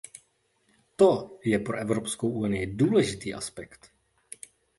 To je pro Evropskou unii důležitý aspekt.